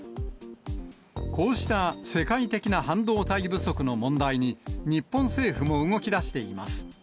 こうした世界的な半導体不足の問題に、日本政府も動きだしています。